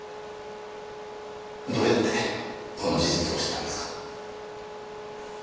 どうやってこの事実を知ったんですか？